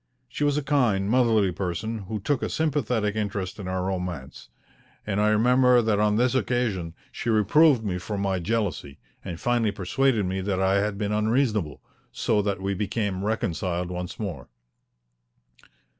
She was a kind, motherly person who took a sympathetic interest in our romance, and I remember that on this occasion she reproved me for my jealousy and finally persuaded me that I had been unreasonable, so that we became reconciled once more.